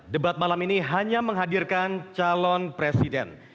debat malam ini hanya menghadirkan calon presiden